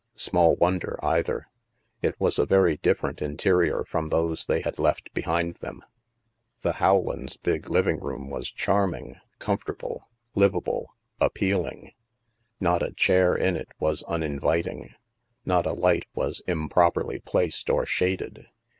Small wonder, either. It was a very different interior from those they had left behind them. The Rowlands' big living room was charming — THE MAELSTROM 135 comfortable, livable, appealing. Not a chair in it was uninviting, not a light was improperly placed or shaded.